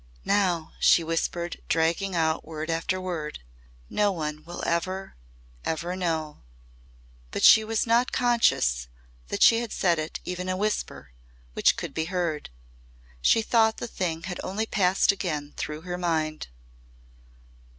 "Now," she whispered dragging out word after word, "no one will ever ever know." But she was not conscious she had said it even in a whisper which could be heard. She thought the thing had only passed again through her mind.